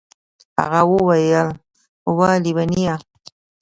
هغه وويل وه ليونيه.